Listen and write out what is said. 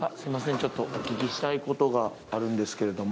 ちょっとお聞きしたいことがあるんですけれども。